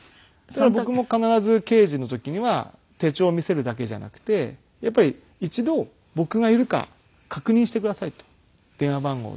僕も必ず刑事の時には手帳を見せるだけじゃなくてやっぱり一度僕がいるか確認してくださいと電話番号で。